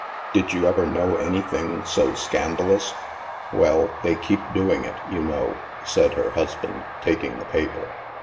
* Did you ever know anything so scandalous ?"" Well, they keep doing it, you know/' said her husband, taking the paper.